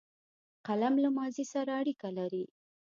قلم له ماضي سره اړیکه لري